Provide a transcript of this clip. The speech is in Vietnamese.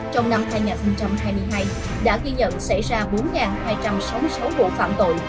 trong năm hai nghìn hai mươi hai đã ghi nhận xảy ra bốn hai trăm sáu mươi sáu vụ phạm tội